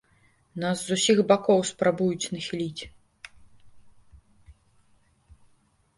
Нас з усіх бакоў спрабуюць нахіліць.